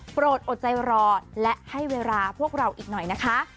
อดใจรอและให้เวลาพวกเราอีกหน่อยนะคะ